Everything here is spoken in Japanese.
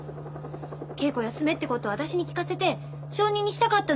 稽古休めってことを私に聞かせて証人にしたかったのよ。